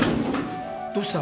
どうした？